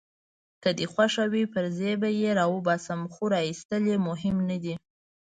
که دي خوښه وي پرزې به يې راوباسم، خو راایستل يې مهم نه دي.